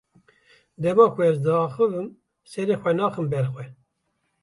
Dema ku ez diaxivim, serê xwe naxim ber xwe.